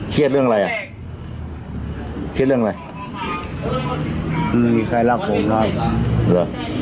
เรื่องอะไรอ่ะเครียดเรื่องอะไรมีใครรักผมนะเหรอ